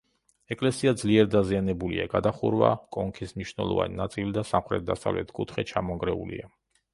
ეკლესია ძლიერ დაზიანებულია: გადახურვა, კონქის მნიშვნელოვანი ნაწილი და სამხრეთ-დასავლეთ კუთხე ჩამონგრეულია.